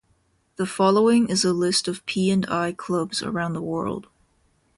The following is a list of P and I Clubs around the world.